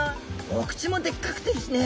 お口もでっかくてですね